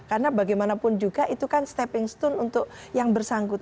karena bagaimanapun juga itu kan stepping stone untuk yang bersangkutan